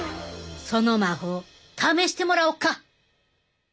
その魔法試してもらおか！